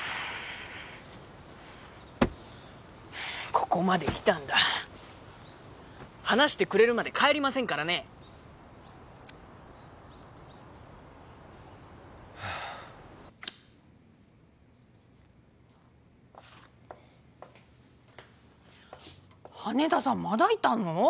ここまで来たんだ話してくれるまで帰りませんからね羽田さんまだいたの？